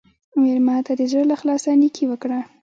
مېلمه ته د زړه له اخلاصه نیکي وکړه.